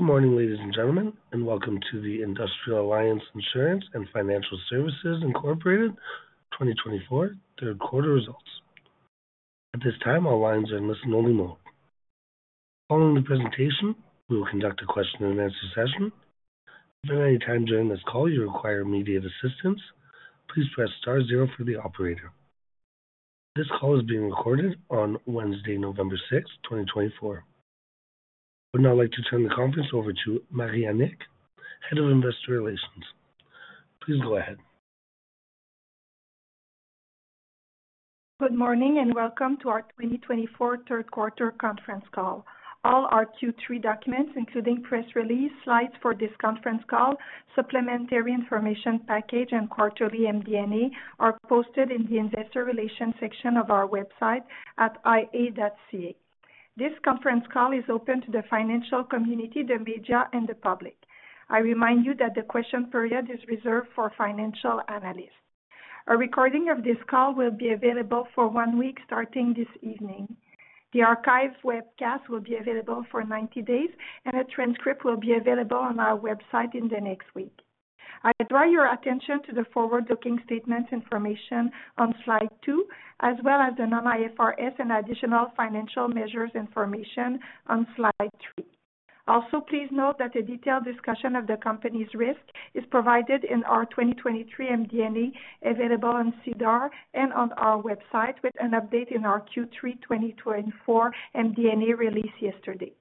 Good morning, ladies and gentlemen, and welcome to the Industrial Alliance Insurance and Financial Services Incorporated 2024 third quarter results. At this time, all lines are in listen-only mode. Following the presentation, we will conduct a question-and-answer session. If at any time during this call you require immediate assistance, please press star zero for the operator. This call is being recorded on Wednesday, November 6th, 2024. I would now like to turn the conference over to Marie-Annick, Head of Investor Relations. Please go ahead. Good morning and welcome to our 2024 third quarter conference call. All Q3 documents, including press release slides for this conference call, supplementary information package, and quarterly MD&A, are posted in the Investor Relations section of our website at ia.ca. This conference call is open to the financial community, the media, and the public. I remind you that the question period is reserved for financial analysts. A recording of this call will be available for one week starting this evening. The archived webcast will be available for 90 days, and a transcript will be available on our website in the next week. I draw your attention to the forward-looking statement information on slide two, as well as the non-IFRS and additional financial measures information on slide three. Also, please note that a detailed discussion of the company's risk is provided in our 2023 MD&A available on SEDAR and on our website with an update in our Q3 2024 MD&A release yesterday.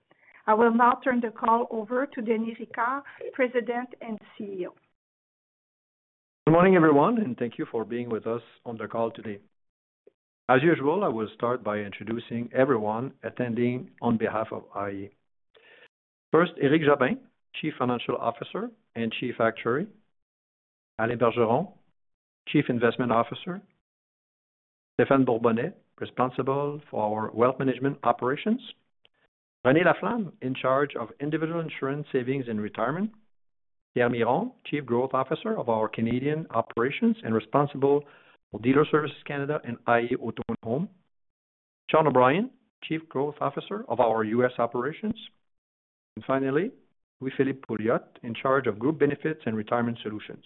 I will now turn the call over to Denis Ricard, President and CEO. Good morning, everyone, and thank you for being with us on the call today. As usual, I will start by introducing everyone attending on behalf of iA. First, Éric Jobin, Chief Financial Officer and Chief Actuary, Alain Bergeron, Chief Investment Officer, Stephan Bourbonnais, responsible for our Wealth Management Operations, Renée Laflamme, in charge of Individual Insurance Savings and Retirement, Pierre Miron, Chief Growth Officer of our Canadian Operations and responsible for Dealer Services Canada and iA Auto & Home, Sean O'Brien, Chief Growth Officer of our US Operations, and finally, Louis-Philippe Pouliot, in charge of Group Benefits and Retirement Solutions.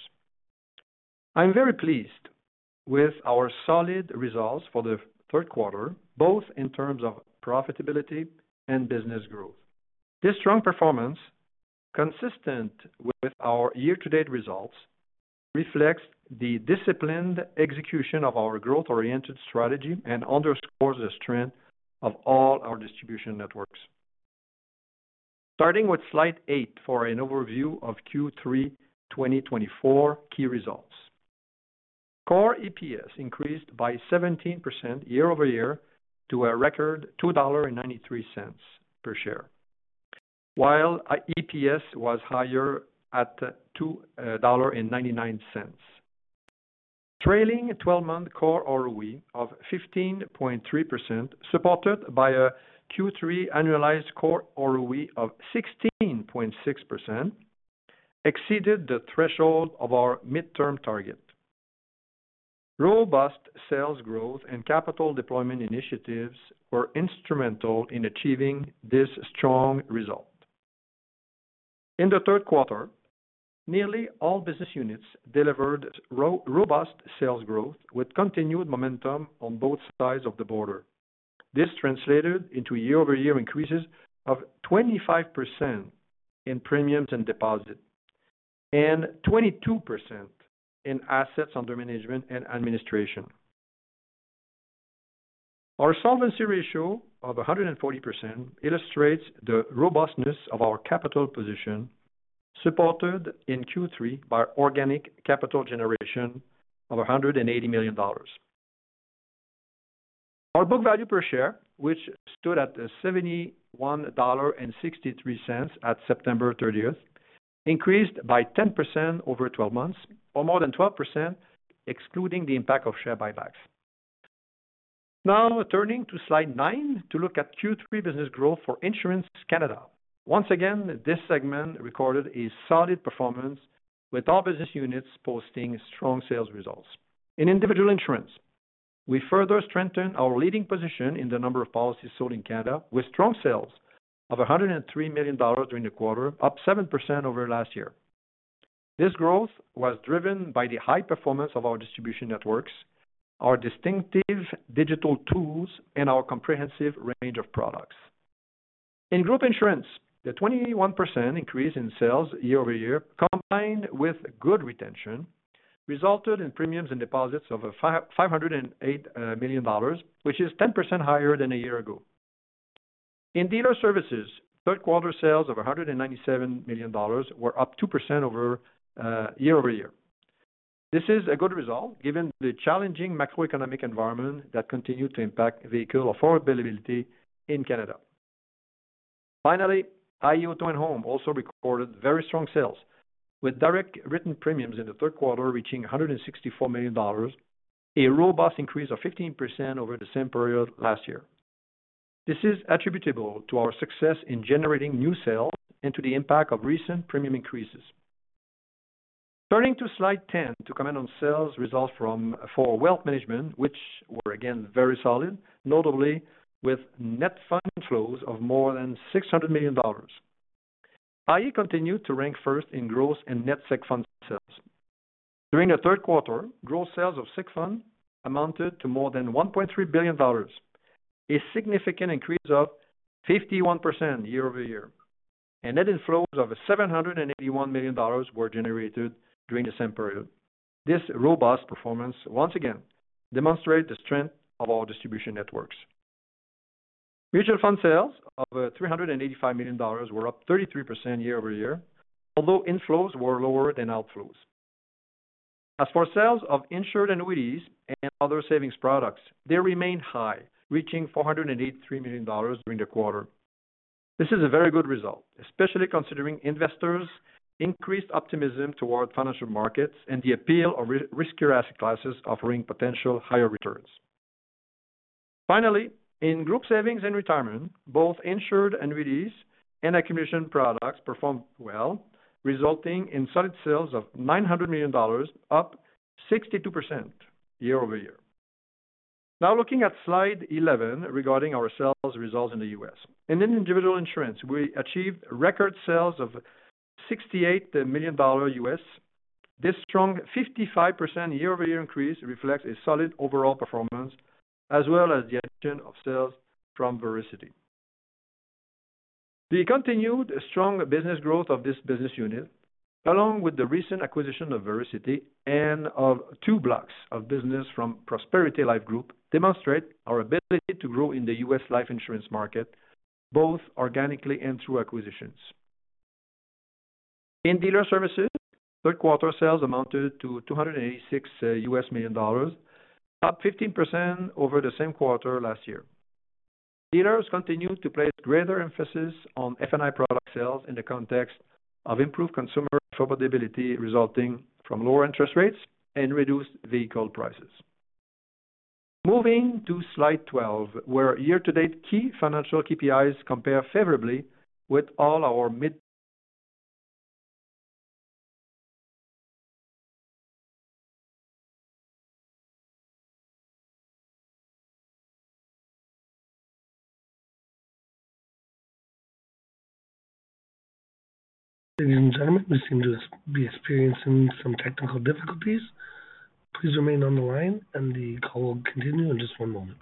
I'm very pleased with our solid results for the third quarter, both in terms of profitability and business growth. This strong performance, consistent with our year-to-date results, reflects the disciplined execution of our growth-oriented strategy and underscores the strength of all our distribution networks. Starting with slide eight for an overview of Q3 2024 key results. Core EPS increased by 17% year over year to a record 2.93 dollars per share, while EPS was higher at 2.99 dollars. Trailing 12-month core ROE of 15.3%, supported by a Q3 annualized core ROE of 16.6%, exceeded the threshold of our midterm target. Robust sales growth and capital deployment initiatives were instrumental in achieving this strong result. In the third quarter, nearly all business units delivered robust sales growth with continued momentum on both sides of the border. This translated into year-over-year increases of 25% in premiums and deposits, and 22% in assets under management and administration. Our solvency ratio of 140% illustrates the robustness of our capital position, supported in Q3 by organic capital generation of 180 million dollars. Our book value per share, which stood at 71.63 dollar at September 30th, increased by 10% over 12 months, or more than 12% excluding the impact of share buybacks. Now, turning to slide 9 to look at Q3 business growth for Insurance Canada. Once again, this segment recorded a solid performance, with all business units posting strong sales results. In Individual Insurance, we further strengthened our leading position in the number of policies sold in Canada, with strong sales of 103 million dollars during the quarter, up 7% over last year. This growth was driven by the high performance of our distribution networks, our distinctive digital tools, and our comprehensive range of products. In Group Insurance, the 21% increase in sales year over year, combined with good retention, resulted in premiums and deposits of 508 million dollars, which is 10% higher than a year ago. In Dealer Services, third-quarter sales of 197 million dollars were up 2% year over year. This is a good result given the challenging macroeconomic environment that continued to impact vehicle affordability in Canada. Finally, iA Auto & Home also recorded very strong sales, with direct written premiums in the third quarter reaching 164 million dollars, a robust increase of 15% over the same period last year. This is attributable to our success in generating new sales and to the impact of recent premium increases. Turning to slide 10 to comment on sales results for wealth management, which were again very solid, notably with net fund flows of more than 600 million dollars. iA continued to rank first in gross and net seg fund sales. During the third quarter, gross sales of seg fund amounted to more than 1.3 billion dollars, a significant increase of 51% year over year, and net inflows of 781 million dollars were generated during the same period. This robust performance once again demonstrated the strength of our distribution networks. Mutual fund sales of 385 million dollars were up 33% year over year, although inflows were lower than outflows. As for sales of insured annuities and other savings products, they remained high, reaching 483 million dollars during the quarter. This is a very good result, especially considering investors' increased optimism toward financial markets and the appeal of riskier asset classes offering potential higher returns. Finally, in group savings and retirement, both insured annuities and accumulation products performed well, resulting in solid sales of 900 million dollars, up 62% year over year. Now looking at slide 11 regarding our sales results in the U.S. In individual insurance, we achieved record sales of $68 million US. This strong 55% year-over-year increase reflects a solid overall performance, as well as the addition of sales from Vericity. The continued strong business growth of this business unit, along with the recent acquisition of Vericity and of two blocks of business from Prosperity Life Group, demonstrate our ability to grow in the U.S. life insurance market, both organically and through acquisitions. In dealer services, third-quarter sales amounted to $286 million, up 15% over the same quarter last year. Dealers continue to place greater emphasis on F&I product sales in the context of improved consumer affordability resulting from lower interest rates and reduced vehicle prices. Moving to slide 12, where year-to-date key financial KPIs compare favorably with all our mid. Gentlemen, we seem to be experiencing some technical difficulties. Please remain on the line, and the call will continue in just one moment.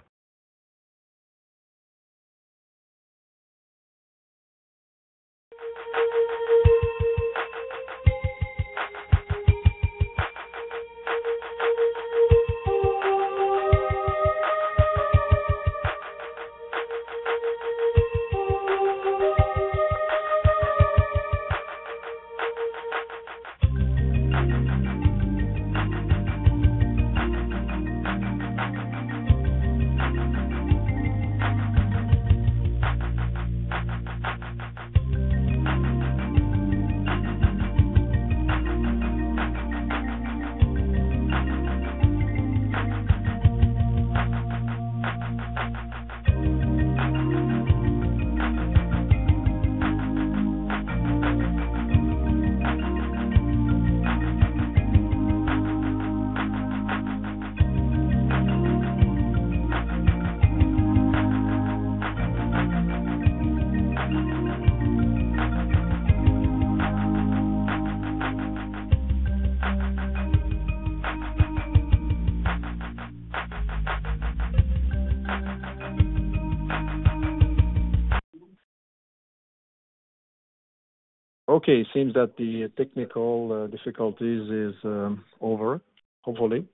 Okay, it seems that the technical difficulties are over, hopefully.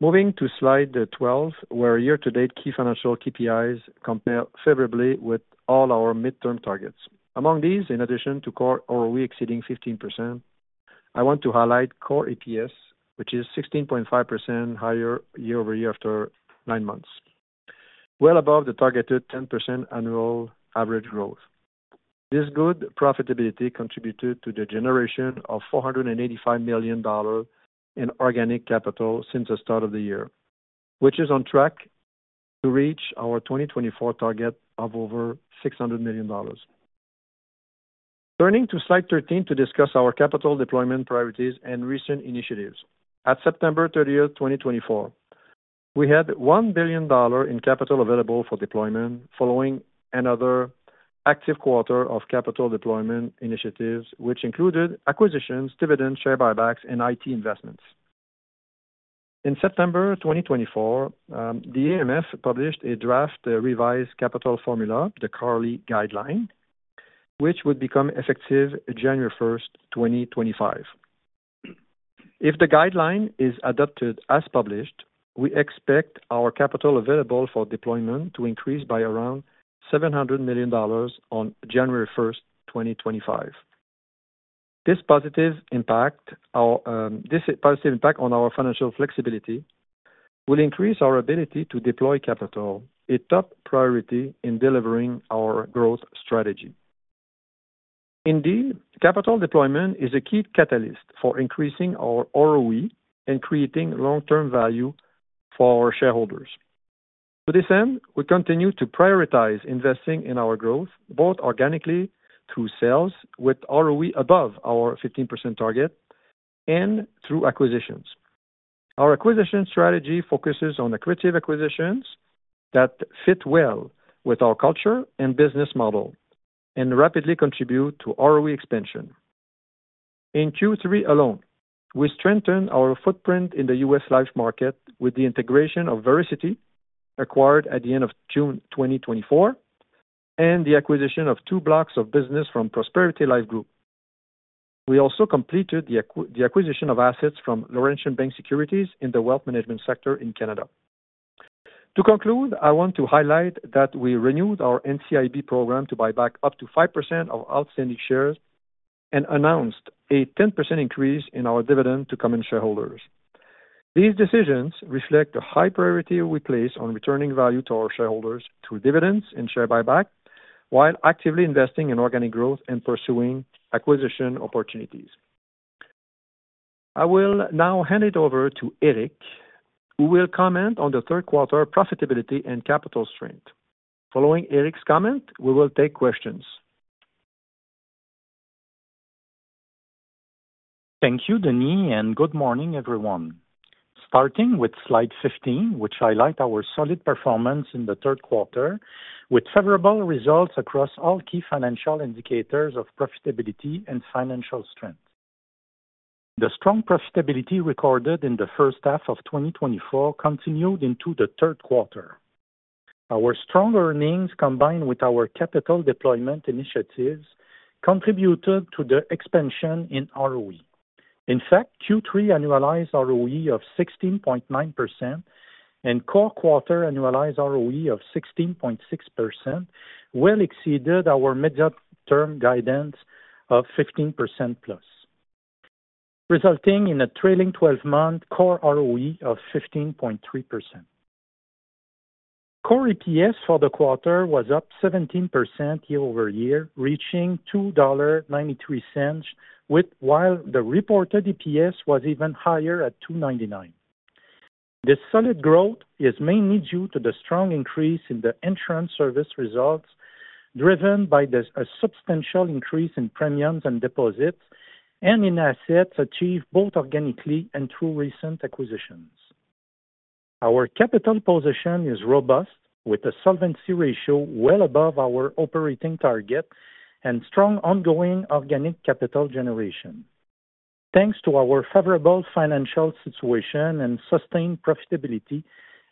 Moving to slide 12, where year-to-date key financial KPIs compare favorably with all our midterm targets. Among these, in addition to core ROE exceeding 15%, I want to highlight core EPS, which is 16.5% higher year over year after nine months, well above the targeted 10% annual average growth. This good profitability contributed to the generation of 485 million dollars in organic capital since the start of the year, which is on track to reach our 2024 target of over 600 million dollars. Turning to slide 13 to discuss our capital deployment priorities and recent initiatives. At September 30th, 2024, we had 1 billion dollar in capital available for deployment following another active quarter of capital deployment initiatives, which included acquisitions, dividends, share buybacks, and IT investments. In September 2024, the AMF published a draft revised capital formula, the CARLI guideline, which would become effective January 1st, 2025. If the guideline is adopted as published, we expect our capital available for deployment to increase by around 700 million dollars on January 1st, 2025. This positive impact on our financial flexibility will increase our ability to deploy capital, a top priority in delivering our growth strategy. Indeed, capital deployment is a key catalyst for increasing our ROE and creating long-term value for our shareholders. To this end, we continue to prioritize investing in our growth, both organically through sales with ROE above our 15% target and through acquisitions. Our acquisition strategy focuses on accretive acquisitions that fit well with our culture and business model and rapidly contribute to ROE expansion. In Q3 alone, we strengthened our footprint in the U.S. life market with the integration of Vericity acquired at the end of June 2024 and the acquisition of two blocks of business from Prosperity Life Group. We also completed the acquisition of assets from Laurentian Bank Securities in the wealth management sector in Canada. To conclude, I want to highlight that we renewed our NCIB program to buy back up to 5% of outstanding shares and announced a 10% increase in our dividend to common shareholders. These decisions reflect the high priority we place on returning value to our shareholders through dividends and share buyback while actively investing in organic growth and pursuing acquisition opportunities. I will now hand it over to Éric, who will comment on the third quarter profitability and capital strength. Following Éric's comment, we will take questions. Thank you, Denis, and good morning, everyone. Starting with slide 15, which highlights our solid performance in the third quarter, with favorable results across all key financial indicators of profitability and financial strength. The strong profitability recorded in the first half of 2024 continued into the third quarter. Our strong earnings, combined with our capital deployment initiatives, contributed to the expansion in ROE. In fact, Q3 annualized ROE of 16.9% and core quarter annualized ROE of 16.6% well exceeded our midterm guidance of 15% plus, resulting in a trailing 12-month core ROE of 15.3%. Core EPS for the quarter was up 17% year over year, reaching 2.93 dollar, while the reported EPS was even higher at 2.99. This solid growth is mainly due to the strong increase in the insurance service results, driven by a substantial increase in premiums and deposits, and in assets achieved both organically and through recent acquisitions. Our capital position is robust, with a solvency ratio well above our operating target and strong ongoing organic capital generation. Thanks to our favorable financial situation and sustained profitability,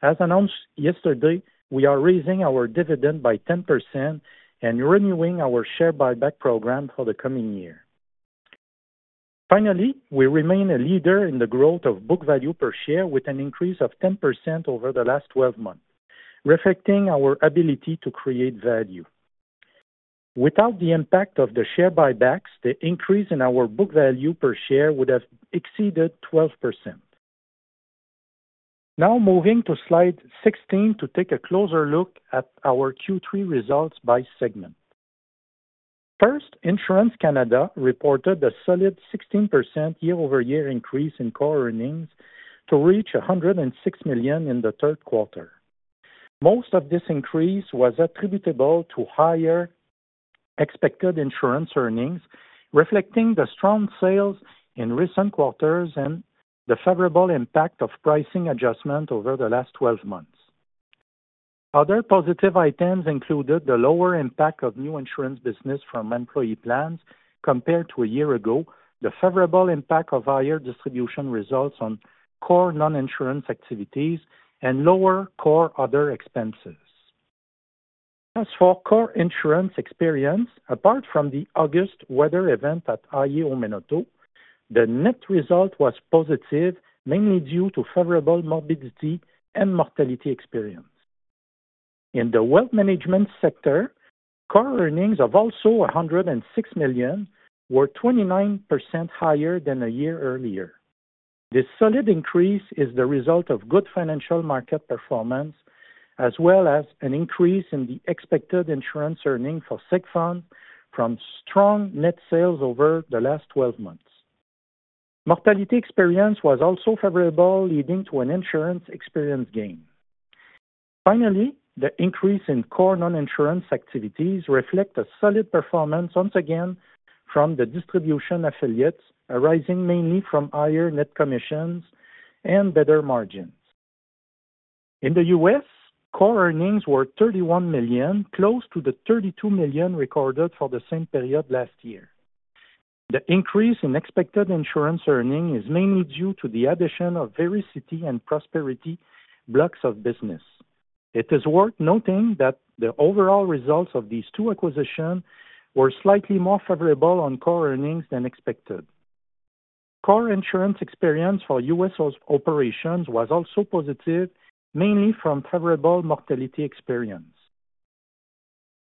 as announced yesterday, we are raising our dividend by 10% and renewing our share buyback program for the coming year. Finally, we remain a leader in the growth of book value per share, with an increase of 10% over the last 12 months, reflecting our ability to create value. Without the impact of the share buybacks, the increase in our book value per share would have exceeded 12%. Now, moving to slide 16 to take a closer look at our Q3 results by segment. First, Insurance Canada reported a solid 16% year-over-year increase in core earnings to reach 106 million in the third quarter. Most of this increase was attributable to higher expected insurance earnings, reflecting the strong sales in recent quarters and the favorable impact of pricing adjustment over the last 12 months. Other positive items included the lower impact of new insurance business from employee plans compared to a year ago, the favorable impact of higher distribution results on core non-insurance activities, and lower core other expenses. As for core insurance experience, apart from the August weather event at iA Auto & Home, the net result was positive, mainly due to favorable morbidity and mortality experience. In the wealth management sector, core earnings also of $106 million were 29% higher than a year earlier. This solid increase is the result of good financial market performance, as well as an increase in the expected insurance earnings for seg funds from strong net sales over the last 12 months. Mortality experience was also favorable, leading to an insurance experience gain. Finally, the increase in core non-insurance activities reflects a solid performance once again from the distribution affiliates, arising mainly from higher net commissions and better margins. In the U.S., core earnings were $31 million, close to the $32 million recorded for the same period last year. The increase in expected insurance earnings is mainly due to the addition of Vericity and Prosperity blocks of business. It is worth noting that the overall results of these two acquisitions were slightly more favorable on core earnings than expected. Core insurance experience for U.S. operations was also positive, mainly from favorable mortality experience.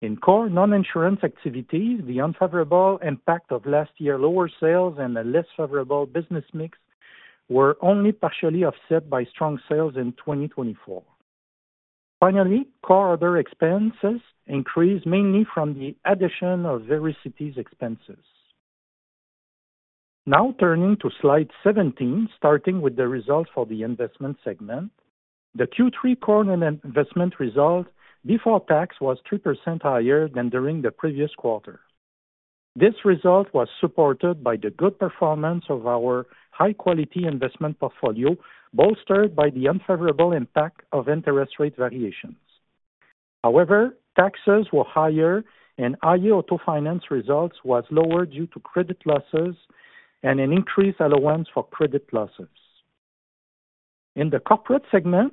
In core non-insurance activities, the unfavorable impact of last year's lower sales and a less favorable business mix were only partially offset by strong sales in 2024. Finally, core other expenses increased mainly from the addition of Vericity's expenses. Now turning to slide 17, starting with the results for the investment segment, the Q3 core investment result before tax was 3% higher than during the previous quarter. This result was supported by the good performance of our high-quality investment portfolio, bolstered by the unfavorable impact of interest rate variations. However, taxes were higher, and iA Auto Finance results were lower due to credit losses and an increased allowance for credit losses. In the corporate segment,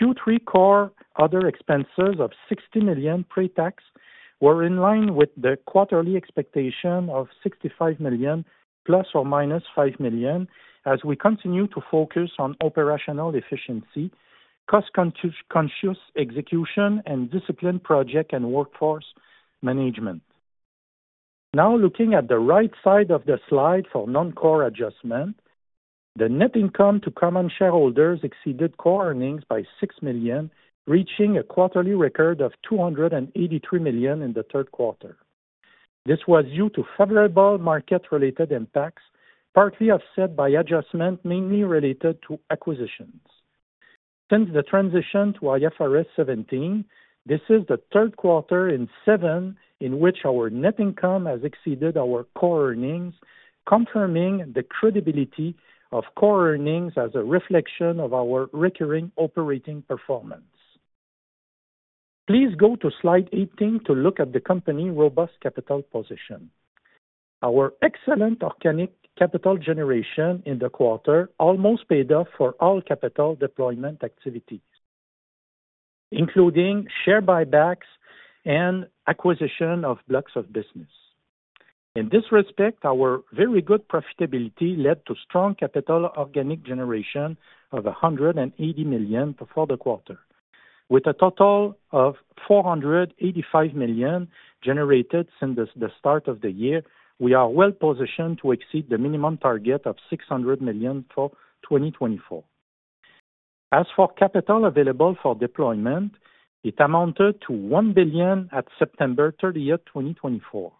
Q3 core other expenses of 60 million pre-tax were in line with the quarterly expectation of 65 million, plus or minus 5 million, as we continue to focus on operational efficiency, cost-conscious execution, and disciplined project and workforce management. Now looking at the right side of the slide for non-core adjustment, the net income to common shareholders exceeded core earnings by 6 million, reaching a quarterly record of 283 million in the third quarter. This was due to favorable market-related impacts, partly offset by adjustments mainly related to acquisitions. Since the transition to IFRS 17, this is the third quarter in seven in which our net income has exceeded our core earnings, confirming the credibility of core earnings as a reflection of our recurring operating performance. Please go to slide 18 to look at the company's robust capital position. Our excellent organic capital generation in the quarter almost paid off for all capital deployment activities, including share buybacks and acquisition of blocks of business. In this respect, our very good profitability led to strong capital organic generation of 180 million for the quarter. With a total of 485 million generated since the start of the year, we are well positioned to exceed the minimum target of 600 million for 2024. As for capital available for deployment, it amounted to 1 billion at September 30th, 2024.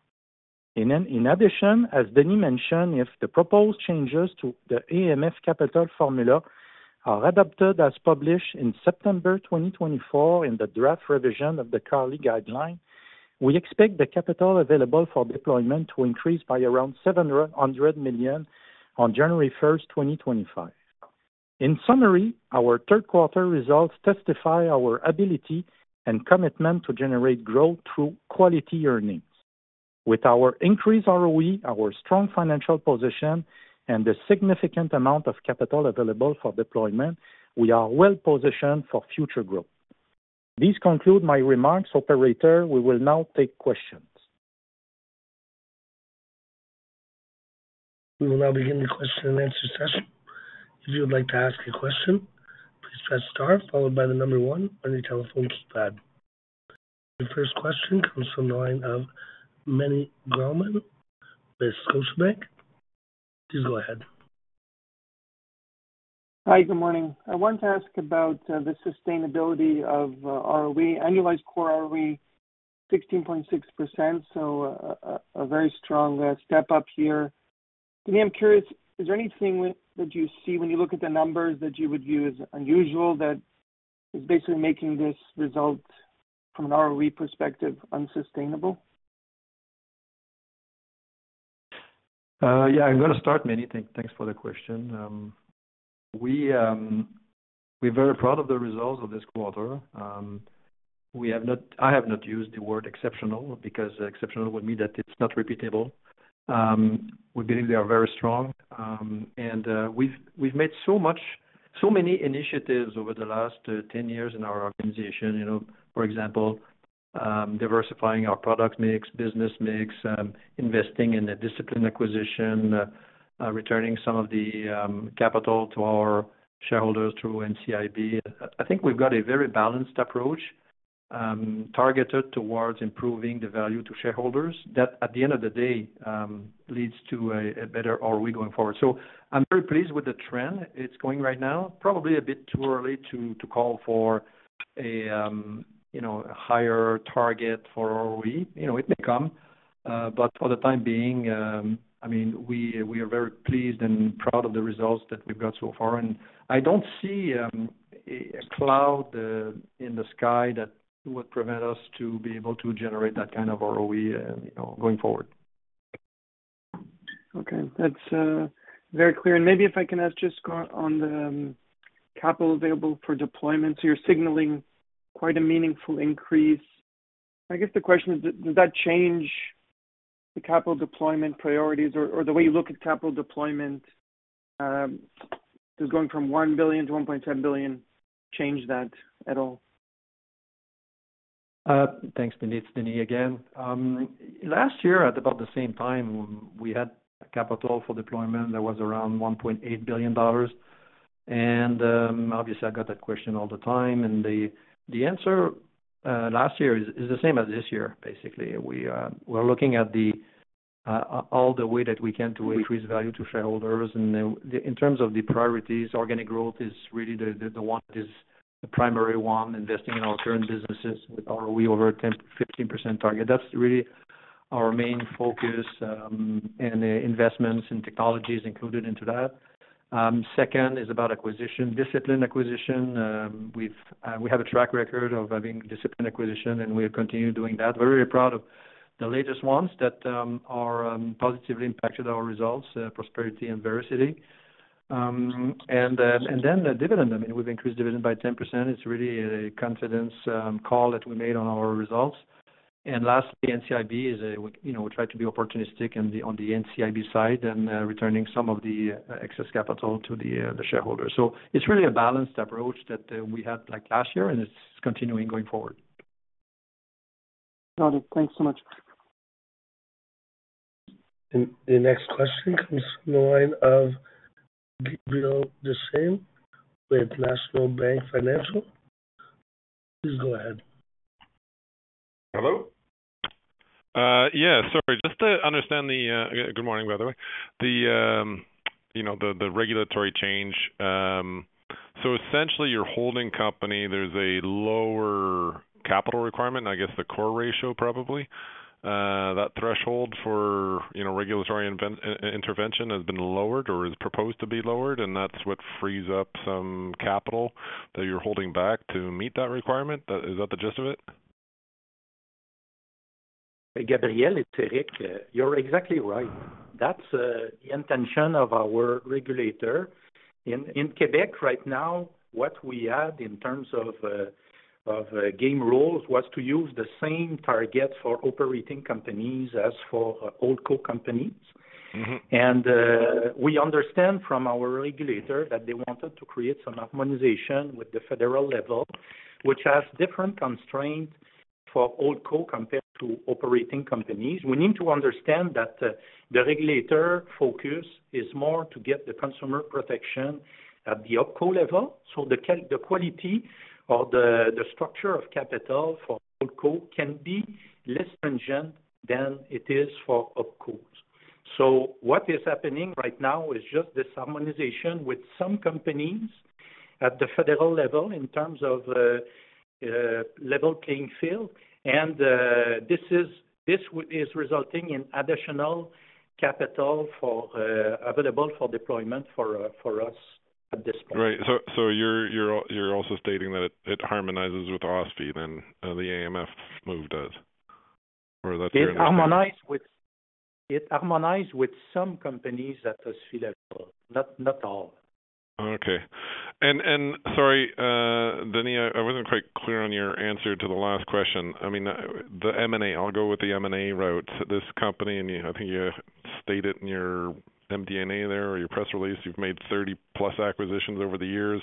In addition, as Denis mentioned, if the proposed changes to the AMF capital formula are adopted as published in September 2024 in the draft revision of the CARLI guideline, we expect the capital available for deployment to increase by around 700 million on January 1st, 2025. In summary, our third quarter results testify to our ability and commitment to generate growth through quality earnings. With our increased ROE, our strong financial position, and the significant amount of capital available for deployment, we are well positioned for future growth. These conclude my remarks, Operator. We will now take questions. We will now begin the question and answer session. If you would like to ask a question, please press Star, followed by the number one on your telephone keypad. Your first question comes from the line of Meny Grauman with Scotiabank. Please go ahead. Hi, good morning. I wanted to ask about the sustainability of ROE. Annualized core ROE, 16.6%, so a very strong step up here. Denis, I'm curious, is there anything that you see when you look at the numbers that you would view as unusual that is basically making this result, from an ROE perspective, unsustainable? Yeah, I'm going to start, Manny. Thanks for the question. We're very proud of the results of this quarter. I have not used the word exceptional because exceptional would mean that it's not repeatable. We believe they are very strong, and we've made so many initiatives over the last 10 years in our organization. For example, diversifying our product mix, business mix, investing in a discipline acquisition, returning some of the capital to our shareholders through NCIB. I think we've got a very balanced approach targeted towards improving the value to shareholders that, at the end of the day, leads to a better ROE going forward, so I'm very pleased with the trend it's going right now. Probably a bit too early to call for a higher target for ROE. It may come. But for the time being, I mean, we are very pleased and proud of the results that we've got so far. And I don't see a cloud in the sky that would prevent us from being able to generate that kind of ROE going forward. Okay. That's very clear. And maybe if I can ask just on the capital available for deployment. So you're signaling quite a meaningful increase. I guess the question is, does that change the capital deployment priorities or the way you look at capital deployment? Does going from 1 billion to 1.7 billion change that at all? Thanks, Denis. Denis, again. Last year, at about the same time, we had capital for deployment that was around 1.8 billion dollars, and obviously, I got that question all the time, and the answer last year is the same as this year, basically. We're looking at all the way that we can to increase value to shareholders, and in terms of the priorities, organic growth is really the one that is the primary one, investing in our current businesses with ROE over 15% target. That's really our main focus and investments and technologies included into that. Second is about acquisition, discipline acquisition. We have a track record of having discipline acquisition, and we'll continue doing that. We're very proud of the latest ones that are positively impacting our results, Prosperity and Vericity, and then the dividend. I mean, we've increased dividend by 10%. It's really a confidence call that we made on our results. And lastly, NCIB is. We try to be opportunistic on the NCIB side and returning some of the excess capital to the shareholders. So it's really a balanced approach that we had last year, and it's continuing going forward. Got it. Thanks so much. The next question comes from the line of Gabriel Dechaine with National Bank Financial. Please go ahead. Hello? Yeah. Sorry. Just to understand. Good morning, by the way. The regulatory change. So essentially, your holding company, there's a lower capital requirement, I guess the core ratio probably. That threshold for regulatory intervention has been lowered or is proposed to be lowered, and that's what frees up some capital that you're holding back to meet that requirement. Is that the gist of it? Gabriel and Éric, you're exactly right. That's the intention of our regulator. In Quebec right now, what we had in terms of ground rules was to use the same target for operating companies as for holdco companies, and we understand from our regulator that they wanted to create some harmonization with the federal level, which has different constraints for holdco companies compared to operating companies. We need to understand that the regulator focus is more to get the consumer protection at the opco level, so the quality or the structure of capital for holdco can be less stringent than it is for opcos, so what is happening right now is just this harmonization with some companies at the federal level in terms of level playing field, and this is resulting in additional capital available for deployment for us at this point. Right. So you're also stating that it harmonizes with OSFI, then the AMF move does? Or that's your understanding? It harmonizes with some companies at OSFI level, not all. Okay. And sorry, Denis. I wasn't quite clear on your answer to the last question. I mean, the M&A. I'll go with the M&A route. This company, and I think you stated in your MD&A there or your press release, you've made 30-plus acquisitions over the years.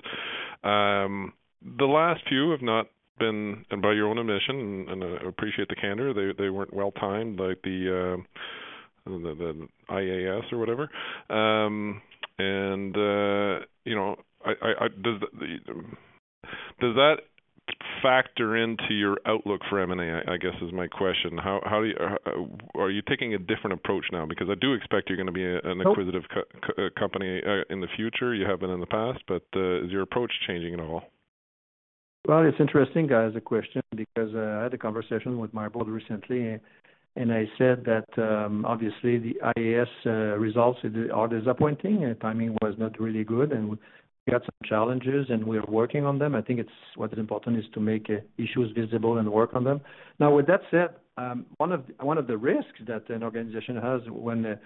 The last few have not been, and by your own admission, and I appreciate the candor, they weren't well-timed, like the or whatever. And does that factor into your outlook for M&A? I guess is my question. Are you taking a different approach now? Because I do expect you're going to be an acquisitive company in the future. You have been in the past. But is your approach changing at all? It's interesting, guys, the question, because I had a conversation with myod recently, and I said that obviously the IAS results are disappointing. Timing was not really good, and we got some challenges, and we are working on them. I think what's important is to make issues visible and work on them. Now, with that said, one of the risks that an organization has when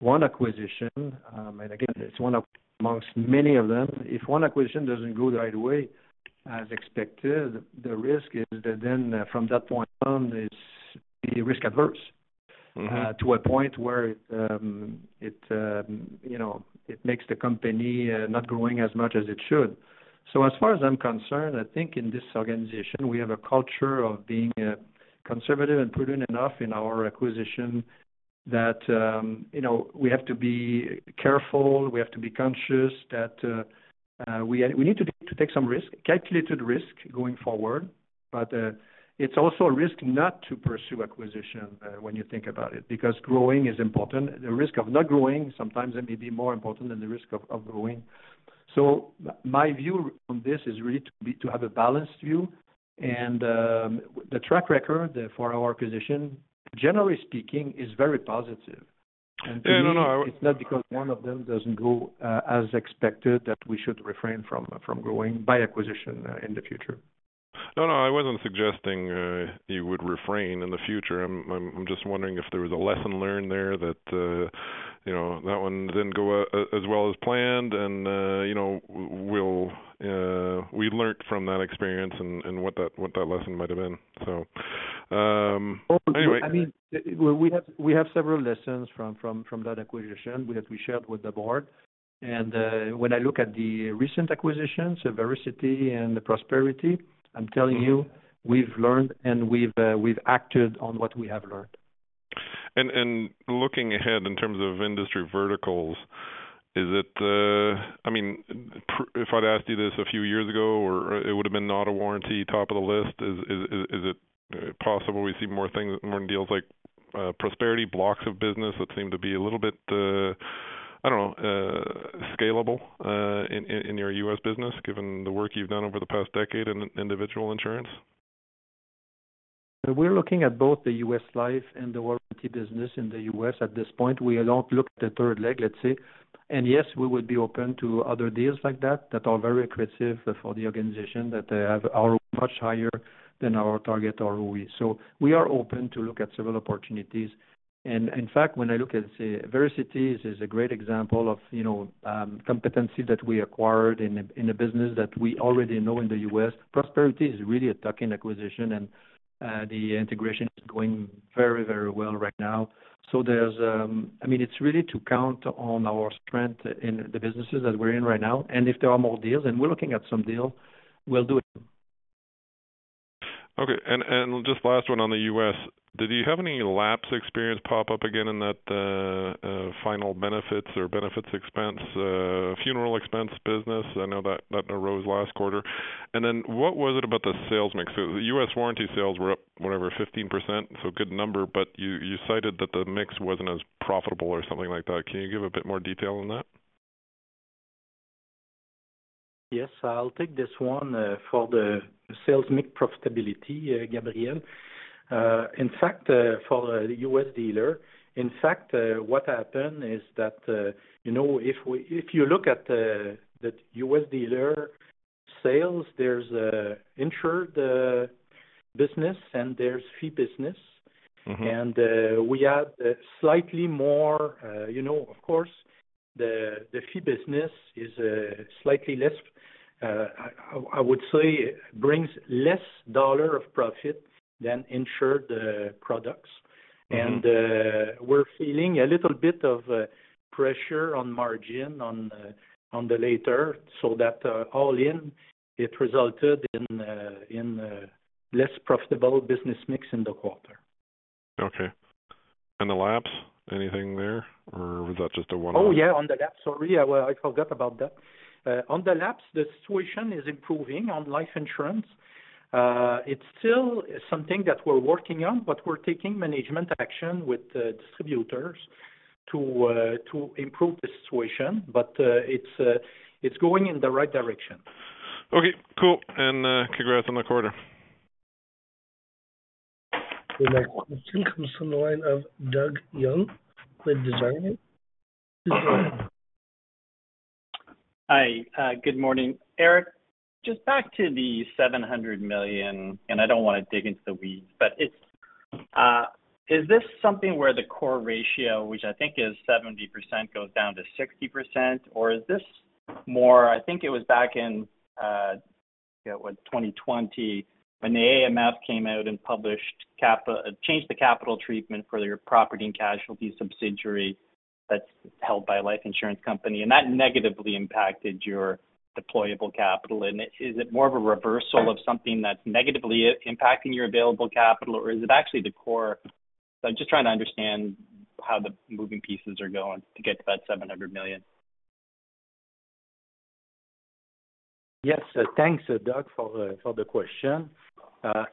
one acquisition, and again, it's one amongst many of them, if one acquisition doesn't go the right way as expected, the risk is that then from that point on, it's risk-averse to a point where it makes the company not growing as much as it should. So as far as I'm concerned, I think in this organization, we have a culture of being conservative and prudent enough in our acquisition that we have to be careful. We have to be conscious that we need to take some risk, calculated risk going forward. But it's also a risk not to pursue acquisition when you think about it, because growing is important. The risk of not growing sometimes may be more important than the risk of growing. So my view on this is really to have a balanced view. And the track record for our acquisition, generally speaking, is very positive. Yeah, no, no. It's not because one of them doesn't go as expected that we should refrain from growing by acquisition in the future. No, no. I wasn't suggesting you would refrain in the future. I'm just wondering if there was a lesson learned there that that one didn't go as well as planned, and we learned from that experience and what that lesson might have been. So, anyway. I mean, we have several lessons from that acquisition that we shared with the board. And when I look at the recent acquisitions, Vericity and Prosperity, I'm telling you, we've learned and we've acted on what we have learned. Looking ahead in terms of industry verticals, is it? I mean, if I'd asked you this a few years ago, it would have been not a warranty, top of the list. Is it possible we see more deals like Prosperity, blocks of business that seem to be a little bit, I don't know, scalable in your U.S. business, given the work you've done over the past decade in individual insurance? We're looking at both the U.S. life and the warranty business in the U.S. at this point. We don't look at the third leg, let's say. And yes, we would be open to other deals like that that are very creative for the organization that are much higher than our target ROE. So we are open to look at several opportunities. And in fact, when I look at Vericity, it is a great example of competency that we acquired in a business that we already know in the U.S. Prosperity is really a tuck-in acquisition, and the integration is going very, very well right now. So I mean, it's really to count on our strength in the businesses that we're in right now. And if there are more deals, and we're looking at some deal, we'll do it. Okay. And just last one on the US. Did you have any lapse experience pop up again in that final benefits or benefits expense, funeral expense business? I know that arose last quarter. And then what was it about the sales mix? The US warranty sales were up, whatever, 15%, so a good number. But you cited that the mix wasn't as profitable or something like that. Can you give a bit more detail on that? Yes. I'll take this one for the sales mix profitability, Gabriel. In fact, for the U.S. dealer, in fact, what happened is that if you look at the U.S. dealer sales, there's insured business and there's fee business. And we had slightly more of course, the fee business is slightly less, I would say, brings less dollar of profit than insured products. And we're feeling a little bit of pressure on margin on the latter, so that all in, it resulted in less profitable business mix in the quarter. Okay. And the lapse? Anything there? Or was that just a one-off? Oh, yeah, on the lapse. Sorry, I forgot about that. On the lapse, the situation is improving on life insurance. It's still something that we're working on, but we're taking management action with distributors to improve the situation. But it's going in the right direction. Okay. Cool, and congrats on the quarter. The next question comes from the line of Doug Young with Desjardins. Hi. Good morning, Éric. Just back to the 700 million, and I don't want to dig into the weeds, but is this something where the core ratio, which I think is 70%, goes down to 60%? Or is this more I think it was back in, yeah, what, 2020 when the AMF came out and published, changed the capital treatment for your property and casualty subsidiary that's held by a life insurance company. And that negatively impacted your deployable capital. And is it more of a reversal of something that's negatively impacting your available capital, or is it actually the core? So I'm just trying to understand how the moving pieces are going to get to that 700 million. Yes. Thanks, Doug, for the question.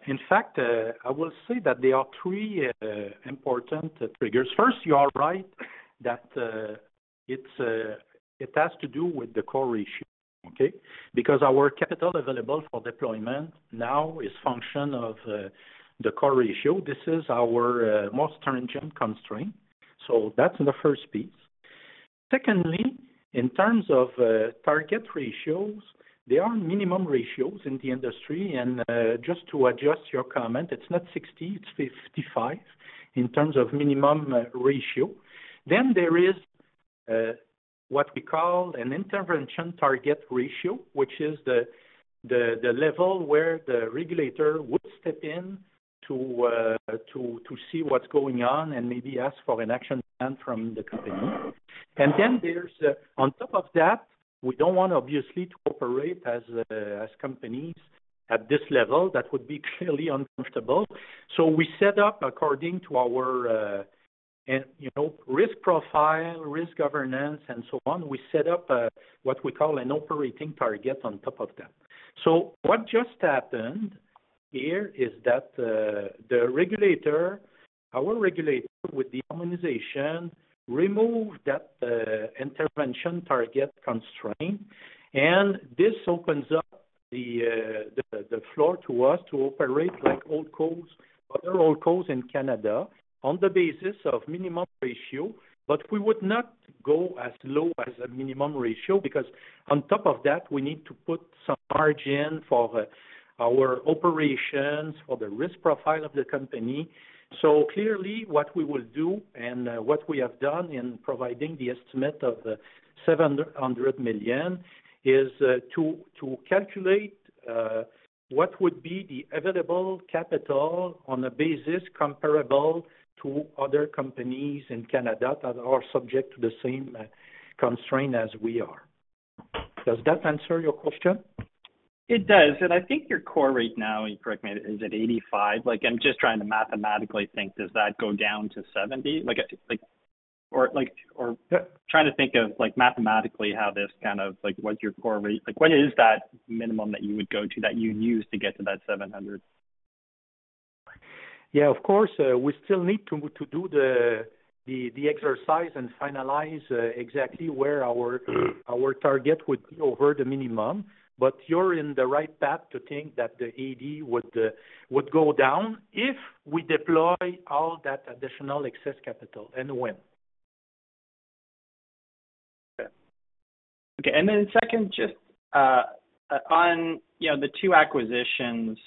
In fact, I will say that there are three important triggers. First, you are right that it has to do with the core ratio, okay? Because our capital available for deployment now is a function of the core ratio. This is our most stringent constraint. So that's the first piece. Secondly, in terms of target ratios, there are minimum ratios in the industry. And just to adjust your comment, it's not 60, it's 55 in terms of minimum ratio. Then there is what we call an intervention target ratio, which is the level where the regulator would step in to see what's going on and maybe ask for an action plan from the company. And then there's, on top of that, we don't want, obviously, to operate as companies at this level. That would be clearly uncomfortable. We set up according to our risk profile, risk governance, and so on. We set up what we call an operating target on top of that. What just happened here is that the regulator, our regulator with the harmonization, removed that intervention target constraint. This opens up the floor to us to operate like old co-s, other old co-s, in Canada on the basis of minimum ratio. But we would not go as low as a minimum ratio because on top of that, we need to put some margin for our operations, for the risk profile of the company. Clearly, what we will do and what we have done in providing the estimate of 700 million is to calculate what would be the available capital on a basis comparable to other companies in Canada that are subject to the same constraint as we are. Does that answer your question? It does. And I think your core rate now, correct me, is at 85. I'm just trying to mathematically think, does that go down to 70? Or trying to think of mathematically how this kind of what's your core rate? What is that minimum that you would go to that you'd use to get to that 700? Yeah, of course, we still need to do the exercise and finalize exactly where our target would be over the minimum. But you're in the right path to think that the AD would go down if we deploy all that additional excess capital and when. Okay. And then second, just on the two acquisitions,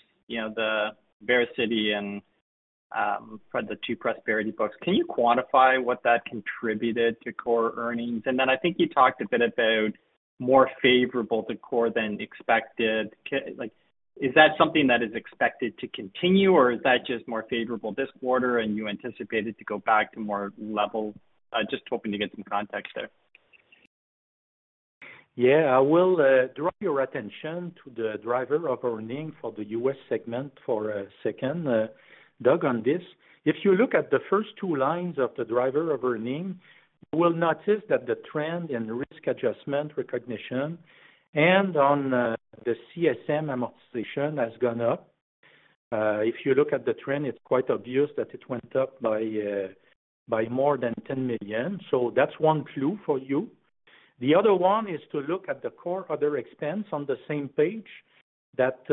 the Vericity and the two Prosperity books, can you quantify what that contributed to core earnings? And then I think you talked a bit about more favorable to core than expected. Is that something that is expected to continue, or is that just more favorable this quarter and you anticipated to go back to more level? Just hoping to get some context there. Yeah. I will draw your attention to the drivers of earnings for the US segment for a second, Doug, on this. If you look at the first two lines of the drivers of earnings, you will notice that the trend in risk adjustment recognition and on the CSM amortization has gone up. If you look at the trend, it's quite obvious that it went up by more than 10 million. So that's one clue for you. The other one is to look at the core other expense on the same page that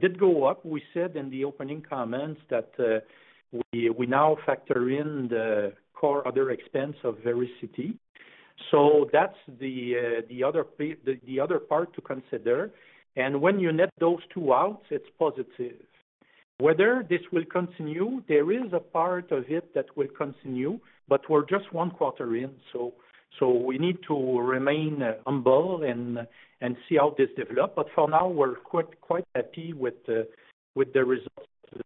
did go up. We said in the opening comments that we now factor in the core other expense of Vericity. So that's the other part to consider. And when you net those two out, it's positive. Whether this will continue, there is a part of it that will continue, but we're just one quarter in. So we need to remain humble and see how this develops. But for now, we're quite happy with the results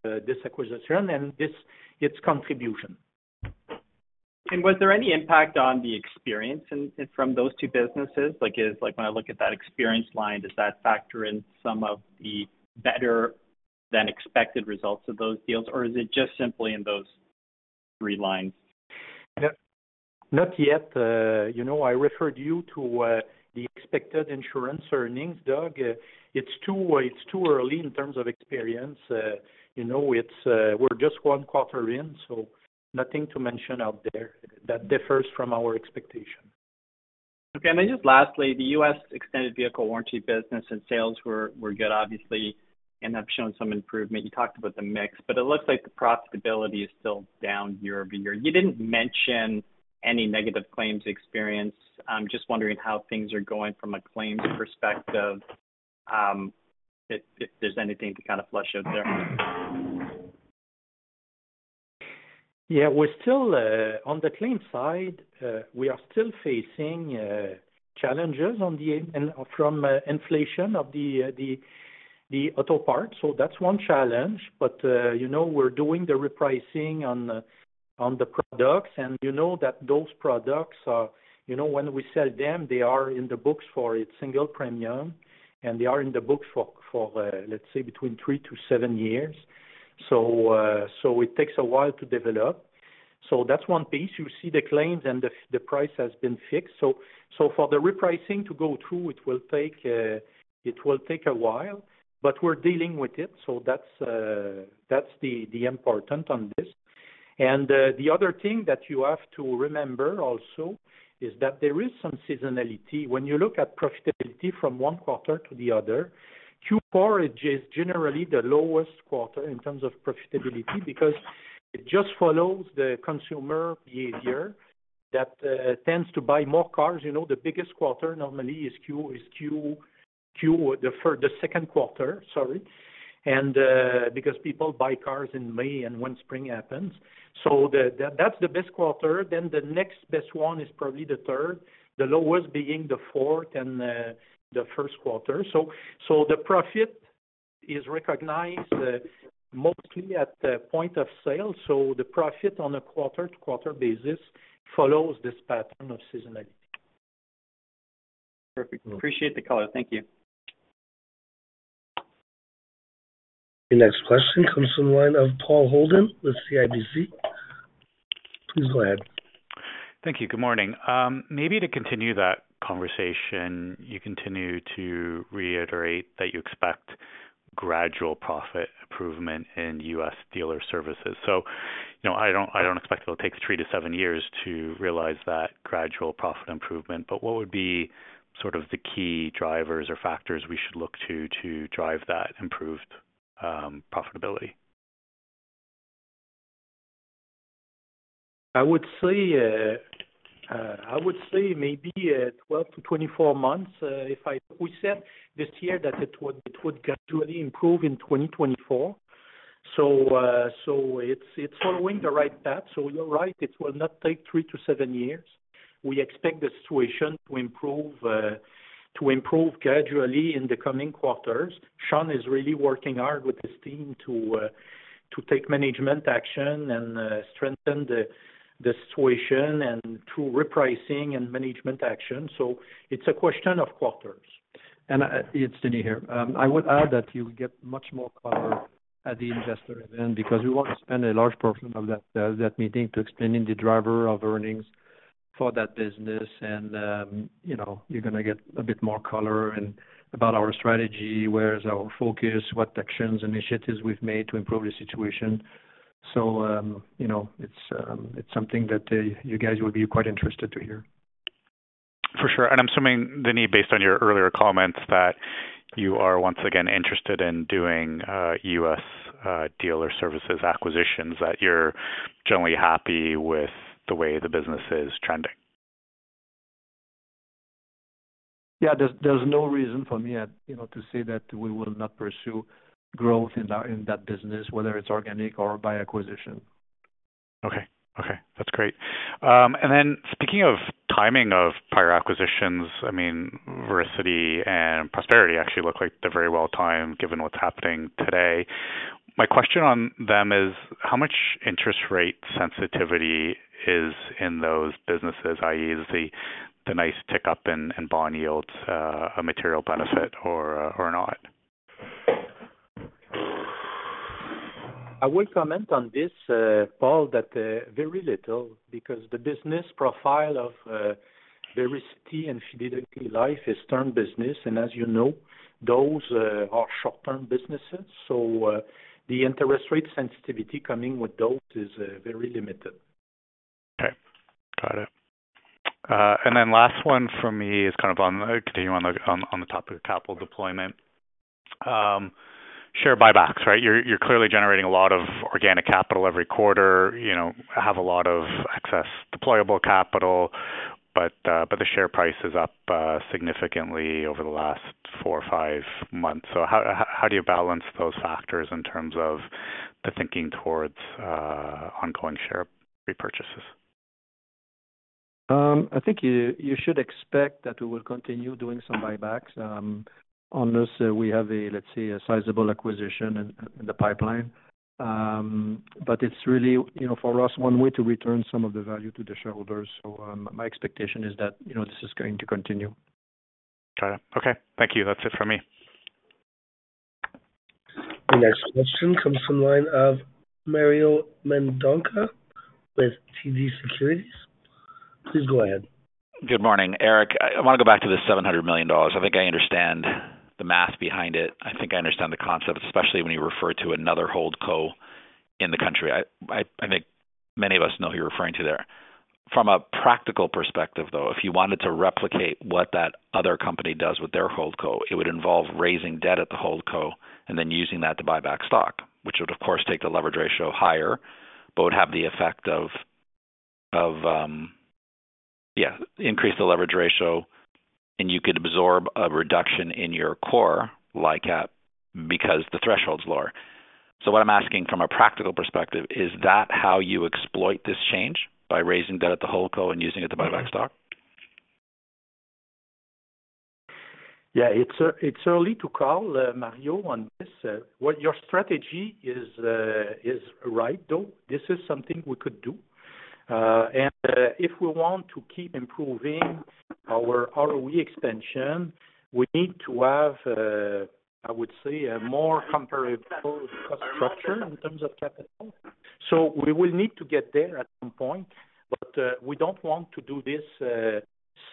of this acquisition and its contribution. And was there any impact on the experience from those two businesses? When I look at that experience line, does that factor in some of the better-than-expected results of those deals, or is it just simply in those three lines? Not yet. I referred you to the expected insurance earnings, Doug. It's too early in terms of experience. We're just one quarter in, so nothing to mention out there that differs from our expectation. Okay, and then just lastly, the U.S. extended vehicle warranty business and sales were good, obviously, and have shown some improvement. You talked about the mix, but it looks like the profitability is still down year over year. You didn't mention any negative claims experience. I'm just wondering how things are going from a claims perspective, if there's anything to kind of flesh out there? Yeah. On the claim side, we are still facing challenges from inflation of the auto parts. So that's one challenge. But we're doing the repricing on the products, and you know that those products, when we sell them, they are in the books for a single premium, and they are in the books for, let's say, between three to seven years. So it takes a while to develop. So that's one piece. You see the claims and the price has been fixed. So for the repricing to go through, it will take a while, but we're dealing with it. So that's the important on this. And the other thing that you have to remember also is that there is some seasonality. When you look at profitability from one quarter to the other, Q4 is generally the lowest quarter in terms of profitability because it just follows the consumer behavior that tends to buy more cars. The biggest quarter normally is Q, the second quarter, sorry, because people buy cars in May and when spring happens. So that's the best quarter. Then the next best one is probably the third, the lowest being the fourth and the first quarter. So the profit is recognized mostly at the point of sale. So the profit on a quarter-to-quarter basis follows this pattern of seasonality. Perfect. Appreciate the color. Thank you. The next question comes from the line of Paul Holden with CIBC. Please go ahead. Thank you. Good morning. Maybe to continue that conversation, you continue to reiterate that you expect gradual profit improvement in U.S. Dealer Services. So I don't expect it'll take three to seven years to realize that gradual profit improvement. But what would be sort of the key drivers or factors we should look to drive that improved profitability? I would say maybe 12 to 24 months if we said this year that it would gradually improve in 2024. So it's following the right path. So you're right. It will not take three to seven years. We expect the situation to improve gradually in the coming quarters. Sean is really working hard with his team to take management action and strengthen the situation and through repricing and management action. So it's a question of quarters. It's Denis here. I would add that you'll get much more color at the investor event because we won't spend a large portion of that meeting to explain the driver of earnings for that business. And you're going to get a bit more color about our strategy, where's our focus, what actions, initiatives we've made to improve the situation. It's something that you guys will be quite interested to hear. For sure. And I'm assuming, Denis, based on your earlier comments, that you are once again interested in doing U.S. dealer services acquisitions, that you're generally happy with the way the business is trending. Yeah. There's no reason for me to say that we will not pursue growth in that business, whether it's organic or by acquisition. Okay. Okay. That's great. And then speaking of timing of prior acquisitions, I mean, Vericity and Prosperity actually look like they're very well timed given what's happening today. My question on them is, how much interest rate sensitivity is in those businesses, i.e., is the nice tick up in bond yields a material benefit or not? I will comment on this, Paul, that very little because the business profile of Vericity and Fidelity Life is term business. And as you know, those are short-term businesses. So the interest rate sensitivity coming with those is very limited. Okay. Got it. And then last one for me is kind of on continuing on the topic of capital deployment. Share buybacks, right? You're clearly generating a lot of organic capital every quarter, have a lot of excess deployable capital, but the share price is up significantly over the last four or five months. So how do you balance those factors in terms of the thinking towards ongoing share repurchases? I think you should expect that we will continue doing some buybacks. On this, we have a, let's say, a sizable acquisition in the pipeline. But it's really, for us, one way to return some of the value to the shareholders. So my expectation is that this is going to continue. Got it. Okay. Thank you. That's it for me. The next question comes from the line of Mario Mendonca with TD Securities. Please go ahead. Good morning, Éric. I want to go back to the 700 million dollars. I think I understand the math behind it. I think I understand the concept, especially when you refer to another hold co in the country. I think many of us know who you're referring to there. From a practical perspective, though, if you wanted to replicate what that other company does with their hold co, it would involve raising debt at the hold co and then using that to buy back stock, which would, of course, take the leverage ratio higher, but would have the effect of, yeah, increasing the leverage ratio, and you could absorb a reduction in your core LICAT. Because the threshold's lower. So what I'm asking from a practical perspective is that how you exploit this change by raising debt at the hold co and using it to buy back stock? Yeah. It's early to call, Mariel, on this. Your strategy is right, though. This is something we could do, and if we want to keep improving our ROE expansion, we need to have, I would say, a more comparable structure in terms of capital, so we will need to get there at some point, but we don't want to do this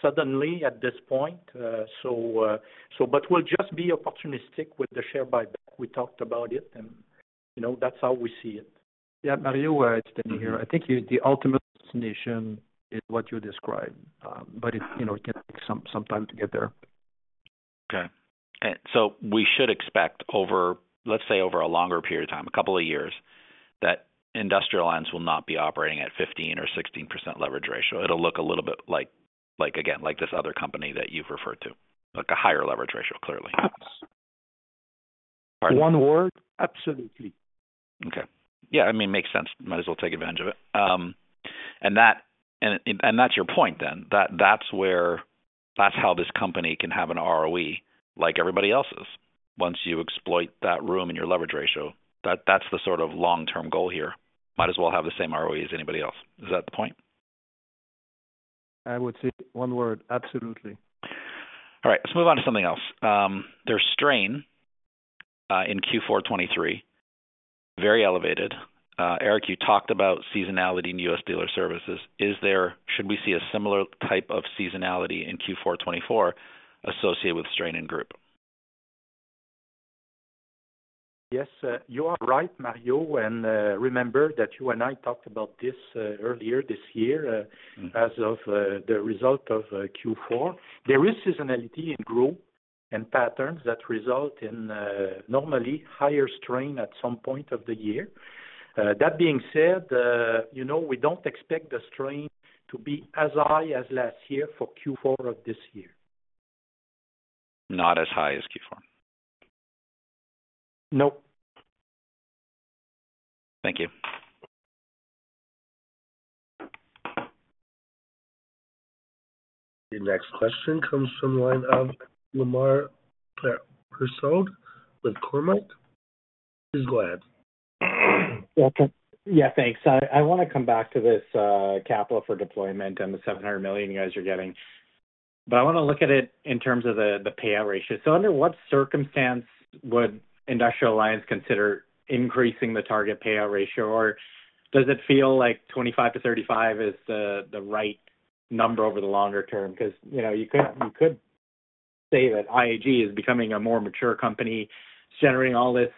suddenly at this point, but we'll just be opportunistic with the share buyback. We talked about it, and that's how we see it. Yeah. Mariel, it's Denis here. I think the ultimate destination is what you described, but it can take some time to get there. Okay. So we should expect, let's say, over a longer period of time, a couple of years, that Industrial Alliance vidu will not be operating at 15% or 16% leverage ratio. It'll look a little bit like, again, like this other company that you've referred to, like a higher leverage ratio, clearly. One word, absolutely. Okay. Yeah. I mean, it makes sense. Might as well take advantage of it, and that's your point, then. That's how this company can have an ROE like everybody else's once you exploit that room in your leverage ratio. That's the sort of long-term goal here. Might as well have the same ROE as anybody else. Is that the point? I would say one word, absolutely. All right. Let's move on to something else. There's strain in Q4 2023, very elevated. Eric, you talked about seasonality in U.S. dealer services. Should we see a similar type of seasonality in Q4 2024 associated with strain in group? Yes. You are right, Mario. And remember that you and I talked about this earlier this year as a result of Q4. There is seasonality in group and patterns that result in normally higher strain at some point of the year. That being said, we don't expect the strain to be as high as last year for Q4 of this year. Not as high as Q4? No. Thank you. The next question comes from the line of Lemar Persaud with Cormark. Please go ahead. Yeah. Thanks. I want to come back to this capital for deployment and the 700 million you guys are getting. But I want to look at it in terms of the payout ratio. So under what circumstance would iA Financial consider increasing the target payout ratio, or does it feel like 25%-35% is the right number over the longer term? Because you could say that IAG is becoming a more mature company. It's generating all this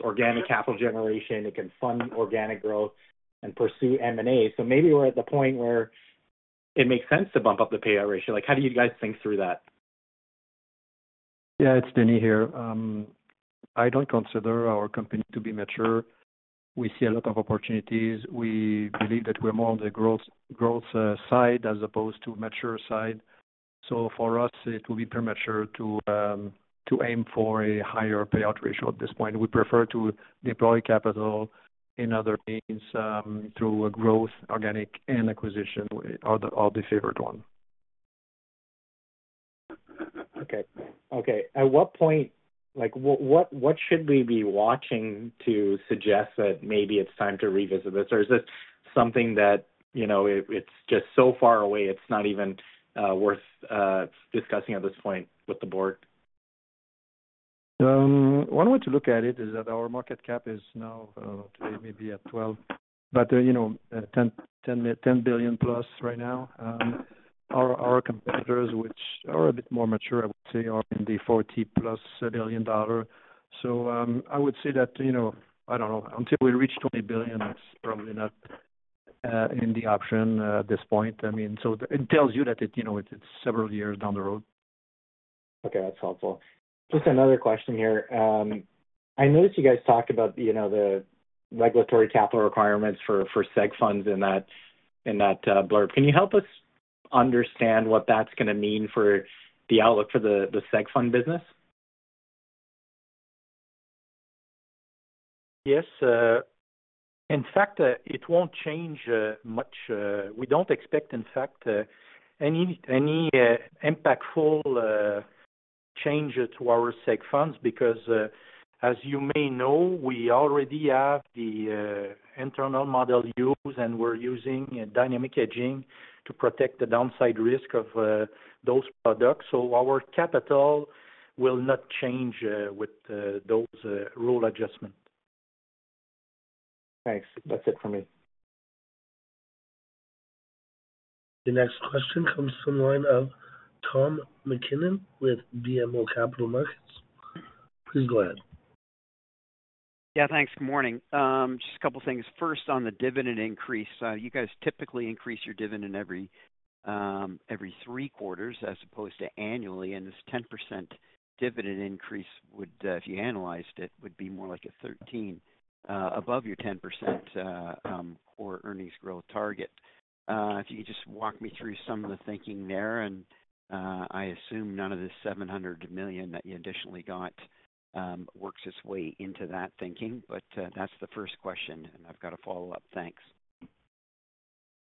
organic capital generation. It can fund organic growth and pursue M&A. So maybe we're at the point where it makes sense to bump up the payout ratio. How do you guys think through that? Yeah. It's Denis here. I don't consider our company to be mature. We see a lot of opportunities. We believe that we're more on the growth side as opposed to mature side. So for us, it will be premature to aim for a higher payout ratio at this point. We prefer to deploy capital in other means through growth, organic, and acquisition are the favorite one. Okay. Okay. At what point, what should we be watching to suggest that maybe it's time to revisit this? Or is this something that it's just so far away, it's not even worth discussing at this point with the board? One way to look at it is that our market cap is now today maybe at 12, but 10 billion plus right now. Our competitors, which are a bit more mature, I would say, are in the 40-plus billion dollar. So I would say that, I don't know, until we reach 20 billion, it's probably not an option at this point. I mean, so it tells you that it's several years down the road. Okay. That's helpful. Just another question here. I noticed you guys talked about the regulatory capital requirements for seg funds in that blurb. Can you help us understand what that's going to mean for the outlook for the seg fund business? Yes. In fact, it won't change much. We don't expect, in fact, any impactful change to our seg funds because, as you may know, we already have the internal model used, and we're using dynamic hedging to protect the downside risk of those products. So our capital will not change with those rule adjustments. Thanks. That's it for me. The next question comes from the line of Tom MacKinnon with BMO Capital Markets. Please go ahead. Yeah. Thanks. Good morning. Just a couple of things. First, on the dividend increase, you guys typically increase your dividend every three quarters as opposed to annually. And this 10% dividend increase, if you analyzed it, would be more like a 13% above your 10% core earnings growth target. If you could just walk me through some of the thinking there. And I assume none of this 700 million that you additionally got works its way into that thinking. But that's the first question, and I've got a follow-up. Thanks.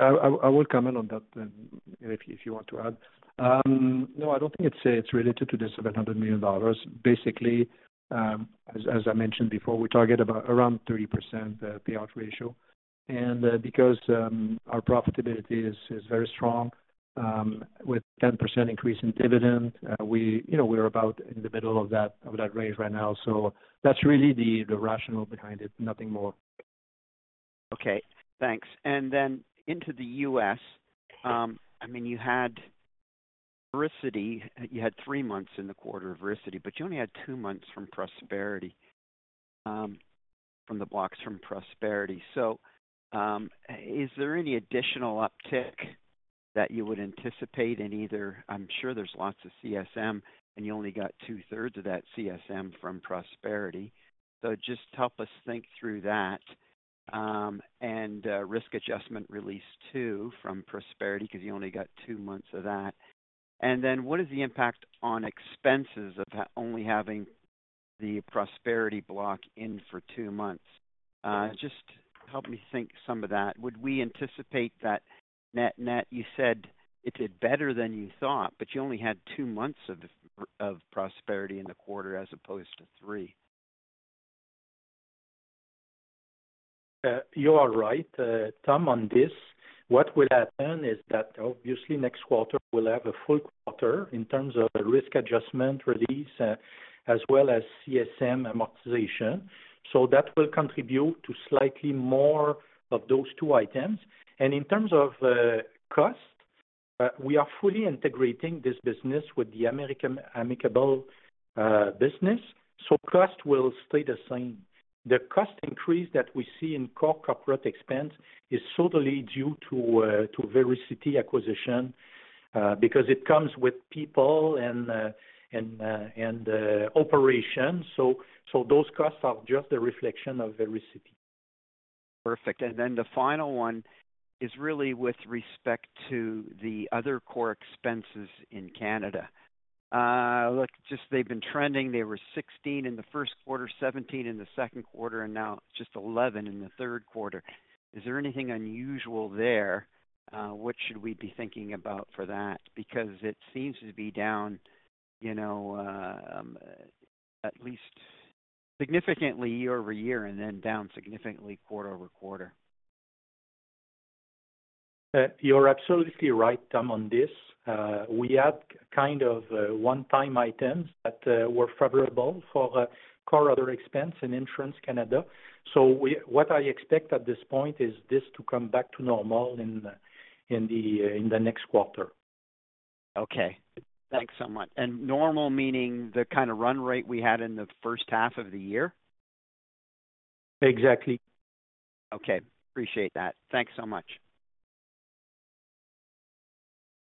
I will comment on that if you want to add. No, I don't think it's related to this 700 million dollars. Basically, as I mentioned before, we target about around 30% payout ratio. And because our profitability is very strong with 10% increase in dividend, we're about in the middle of that range right now. So that's really the rationale behind it, nothing more. Okay. Thanks. And then into the US, I mean, you had Vericity. You had three months in the quarter of Vericity, but you only had two months from Prosperity from the blocks from Prosperity. So is there any additional uptick that you would anticipate in either? I'm sure there's lots of CSM, and you only got two-thirds of that CSM from Prosperity. So just help us think through that and risk adjustment release too from Prosperity because you only got two months of that. And then what is the impact on expenses of only having the Prosperity block in for two months? Just help me think some of that. Would we anticipate that net-net? You said it did better than you thought, but you only had two months of Prosperity in the quarter as opposed to three. You are right, Tom, on this. What will happen is that, obviously, next quarter, we'll have a full quarter in terms of risk adjustment release as well as CSM amortization. So that will contribute to slightly more of those two items. And in terms of cost, we are fully integrating this business with the American-Amicable business. So cost will stay the same. The cost increase that we see in core corporate expense is totally due to Vericity acquisition because it comes with people and operations. So those costs are just a reflection of Vericity. Perfect. And then the final one is really with respect to the other core expenses in Canada. Look, just they've been trending. They were 16 in the first quarter, 17 in the second quarter, and now just 11 in the third quarter. Is there anything unusual there? What should we be thinking about for that? Because it seems to be down at least significantly year over year and then down significantly quarter over quarter. You're absolutely right, Tom, on this. We had kind of one-time items that were favorable for core other expense in Insurance Canada. So what I expect at this point is this to come back to normal in the next quarter. Okay. Thanks so much. And normal meaning the kind of run rate we had in the first half of the year? Exactly. Okay. Appreciate that. Thanks so much.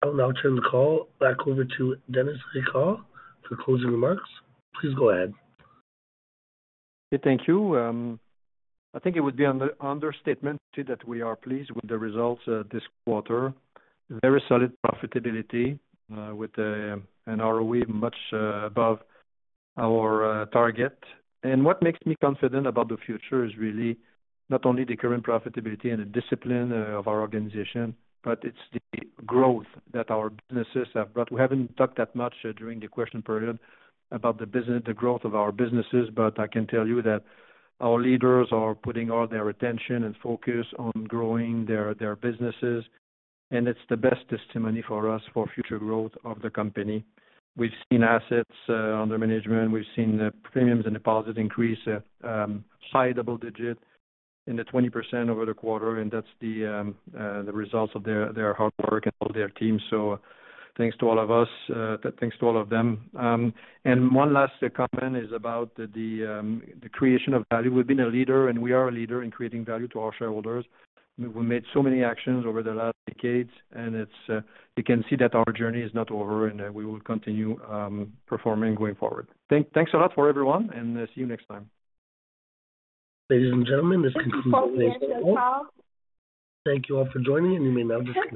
I'll now turn the call back over to Denis Ricard for closing remarks. Please go ahead. Thank you. I think it would be an understatement to say that we are pleased with the results this quarter. Very solid profitability with an ROE much above our target. And what makes me confident about the future is really not only the current profitability and the discipline of our organization, but it's the growth that our businesses have brought. We haven't talked that much during the question period about the growth of our businesses, but I can tell you that our leaders are putting all their attention and focus on growing their businesses. And it's the best testimony for us for future growth of the company. We've seen assets under management. We've seen premiums and deposits increase a high double-digit in the 20% over the quarter. And that's the results of their hard work and all their team. So thanks to all of us. Thanks to all of them. And one last comment is about the creation of value. We've been a leader, and we are a leader in creating value to our shareholders. We made so many actions over the last decades, and you can see that our journey is not over, and we will continue performing going forward. Thanks a lot for everyone, and see you next time. Ladies and gentlemen, this concludes today's call. Thank you all for joining, and you may now disconnect.